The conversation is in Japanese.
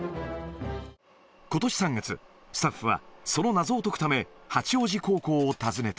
ことし３月、スタッフはその謎を解くため、八王子高校を訪ねた。